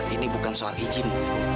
ini bukan soal izin